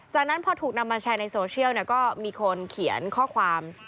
จากนั้นพอถูกนำมาแชร์ในโซเชียลก็มีคนเขียนข้อความ